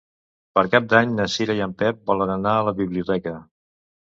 Per Cap d'Any na Cira i en Pep volen anar a la biblioteca.